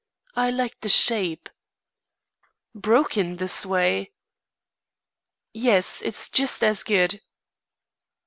I liked the shape." "Broken this way?" "Yes; it's just as good."